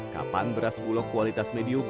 kapan beras bulog kualitas medium